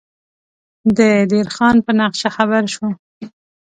د دیر خان په نقشه خبر شو.